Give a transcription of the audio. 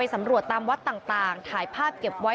สำรวจตามวัดต่างถ่ายภาพเก็บไว้